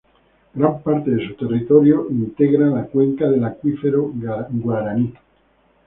Gran parte de su territorio integra la cuenca del acuífero Guaraní.